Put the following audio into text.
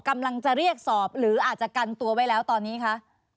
กำลังจะเรียกสอบหรืออาจจะกันตัวไว้แล้วตอนนี้คะ